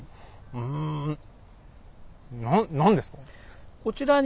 うんな何ですか？